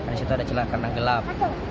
di situ ada celah karena gelap